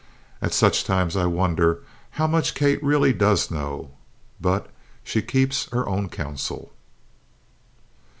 At such times I wonder how much Kate really does know. But she keeps her own counsel.